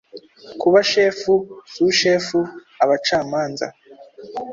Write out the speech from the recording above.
kuba shefu, sushefu, abacamanza; •